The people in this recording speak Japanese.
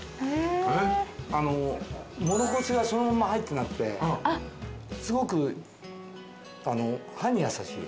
モロコシがそのまんま入ってなくてすごく歯に優しい。